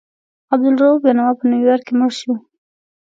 عبدالرؤف بېنوا په نیویارک کې مړ شو.